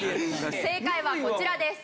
正解はこちらです。